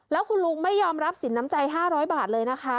แล้วคุณลุงไม่ยอมรับสินน้ำใจ๕๐๐บาทเลยนะคะ